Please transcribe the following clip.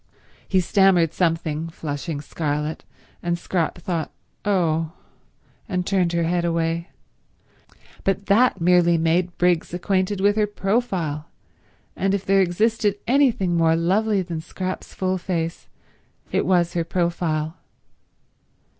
He stammered something, flushing scarlet, and Scrap thought, "Oh," and turned her head away; but that merely made Briggs acquainted with her profile, and if there existed anything more lovely than Scrap's full face it was her profile.